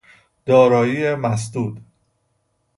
دارایی مسدود